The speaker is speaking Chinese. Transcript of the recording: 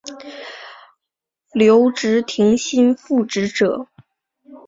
留职停薪复职者